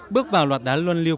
bước vào loạt đá luân liệu